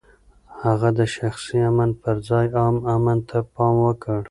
هغه د شخصي امن پر ځای عام امن ته پام وکړ.